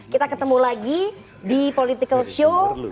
kita ketemu lagi di political show